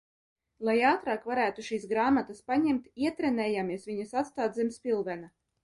Lai ātrāk varētu šīs grāmatas paņemt, ietrenējāmies viņas atstāt zem spilvena.